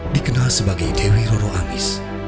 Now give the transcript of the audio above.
dikenal sebagai dewi roroamis